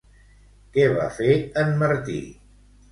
Que va fer en Martí?